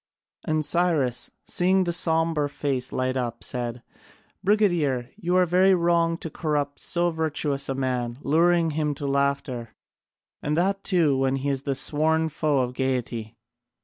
And Cyrus, seeing the sombre face light up said: "Brigadier, you are very wrong to corrupt so virtuous a man, luring him to laughter, and that too when he is the sworn foe of gaiety."